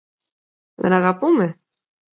Δεν αγαπούμε;